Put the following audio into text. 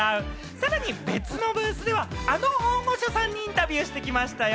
さらに別のブースでは、あの大御所さんにインタビューしてきましたよ。